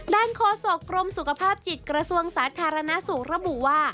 ด้านโคศกกรมสุขภาพจิตกระทรวงสาธารณสุรบุว่า